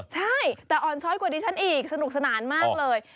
ใช่แต่อ่อนช้อยกว่าดิฉันอีกสนุกสนานมากเลย